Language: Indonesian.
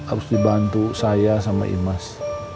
harus dibantu saya sama imas